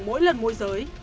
mỗi lần môi giới